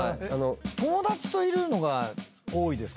友達といるのが多いですか？